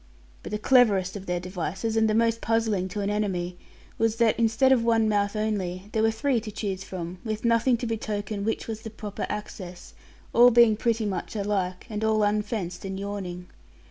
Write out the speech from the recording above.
But the cleverest of their devices, and the most puzzling to an enemy, was that, instead of one mouth only, there were three to choose from, with nothing to betoken which was the proper access; all being pretty much alike, and all unfenced and yawning.